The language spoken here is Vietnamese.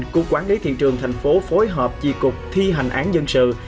cục quản lý thị trường tp hcm phối hợp chi cục thi hành án dân sự